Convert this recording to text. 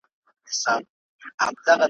ـ ته چې خوشاله يې زويه! موږ درسره خوشاله يو.